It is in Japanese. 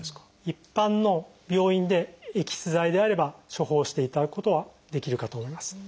一般の病院でエキス剤であれば処方していただくことはできるかと思います。